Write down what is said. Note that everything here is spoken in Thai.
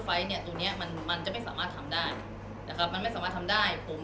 ว่าคุณมีการจองแบบชาเตอร์ไฟท์ที่จะสร้างพิกษุอะไรอย่างนี้ครับ